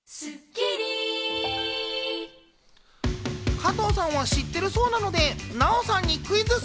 加藤さんは知ってるそうなので、ナヲさんにクイズッス！